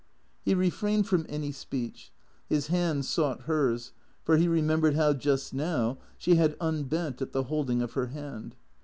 He refrained from any speech. His hand sought hers, for he remembered how, just now, she had unbent at the holding of her hand.